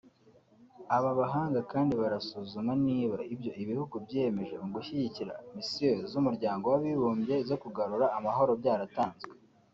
Aba bahanga kandi barasuzuma niba ibyo ibihugu byiyemeje mu gushyigikira Misiyo z’umuryango wabibumbye zo kugarura amahoro byaratanzwe